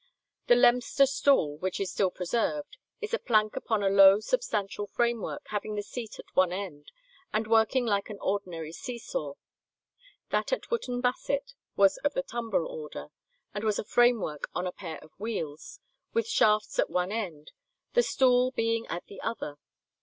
The Leominster stool, which is still preserved, is a plank upon a low substantial framework, having the seat at one end, and working like an ordinary seesaw: that at Wooton Basset was of the tumbrel order, and was a framework on a pair of wheels, with shafts at one end, the stool being at the other.